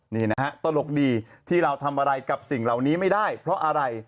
นี่นะฮะตลกดีที่เราทำอะไรกับสิ่งเหล่านี้ไม่ได้เพราะอะไร